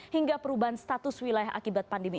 hingga perubahan status wilayah akibat pandemi